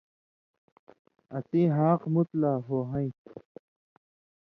اسیں حاق مُت لا ہو ہَیں تُھو